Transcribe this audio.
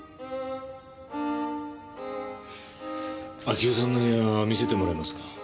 明代さんの部屋見せてもらえますか？